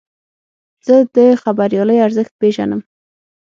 زه د خبریالۍ ارزښت پېژنم.